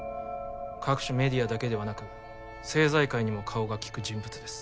各種メディアだけではなく政財界にも顔が利く人物です。